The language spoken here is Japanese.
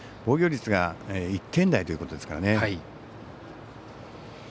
防御率が１点台ということですからね。